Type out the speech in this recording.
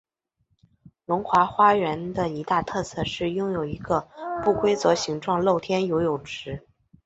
龙华花园的一大特色是拥有一个不规则形状露天游泳池。